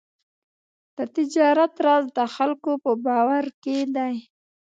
د تجارت راز د خلکو په باور کې دی.